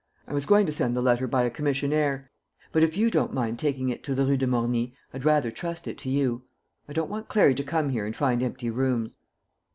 I was going to send the letter by a commissionnaire; but if you don't mind taking it to the Rue de Morny, I'd rather trust it to you. I don't want Clary to come here and find empty rooms."